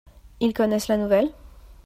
Ils connaissent la nouvelle ?